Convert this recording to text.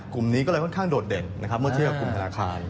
กลุ่มนี้ก็เลยค่อนข้างโดดเด่นนะครับเมื่อเชื่อกลุ่มธนาคาร